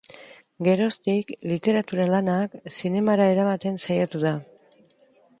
Geroztik, literatura-lanak zinemara eramaten saiatu da.